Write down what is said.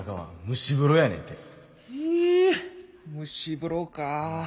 蒸し風呂かぁ。